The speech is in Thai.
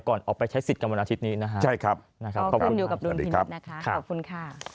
ก่อนออกไปใช้สิทธิ์กันวันอาทิตย์นี้นะครับขอบคุณครับสวัสดีครับขอบคุณค่ะ